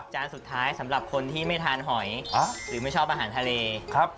จานสุดท้ายสำหรับคนที่ไม่ทานหอยหรือไม่ชอบอาหารทะเลครับ